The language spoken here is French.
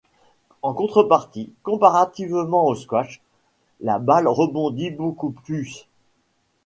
En contrepartie, comparativement au squash, la balle rebondit beaucoup plus.